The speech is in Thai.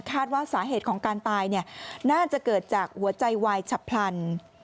ว่าสาเหตุของการตายน่าจะเกิดจากหัวใจวายฉับพลัน